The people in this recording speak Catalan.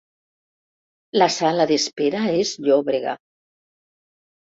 La sala d'espera és llòbrega.